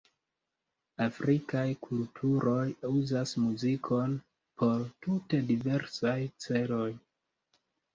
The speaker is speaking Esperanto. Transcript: Afrikaj kulturoj uzas muzikon por tute diversaj celoj.